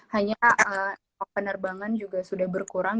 hanya penerbangan juga sudah berkurang